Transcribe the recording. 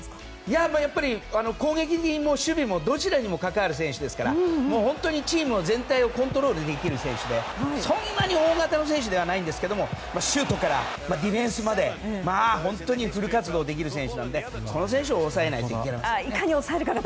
攻撃にも、守備にもどちらにも関わる選手ですから本当にチーム全体をコントロールできる選手でそんなに大型の選手ではないんですけどシュートからディフェンスまで本当にフル活動できる選手なのでこの選手を抑えないといけませんね。